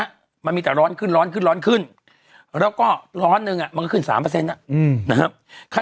ก็แปลกนะฮะมันมีแต่ร้อนขึ้นร้อนขึ้นร้อนขึ้นแล้วก็ร้อนหนึ่งอะไรขึ้น๓เปอร์เซ็นต์นะครับ